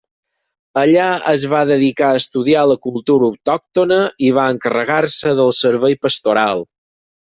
Allà es va dedicar a estudiar la cultura autòctona i va encarregar-se del servei pastoral.